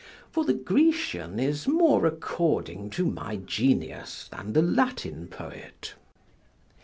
For the Grecian is more according to my genius than the Latin poet.